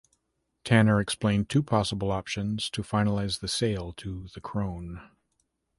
Tanner explained two possible options to finalize the sale to the "Krone".